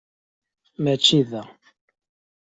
Mačči da.